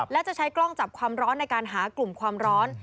และจะใช้กล้องจับความร้อนในการหากลุ่มความร้อน